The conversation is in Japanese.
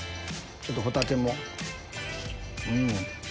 ちょっとホタテも。